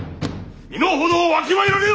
身の程をわきまえられよ！